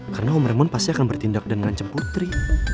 karena om raymond pasti akan bertindak dengan ngancam putri